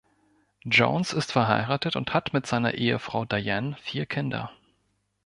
Jones ist verheiratet und hat mit seiner Ehefrau Diane vier Kinder.